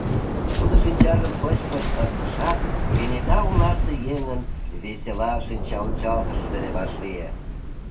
Тудо шинчажым пыч-пыч ыштышат, кенета оласе еҥын весела шинчаончалтышыж дене вашлие.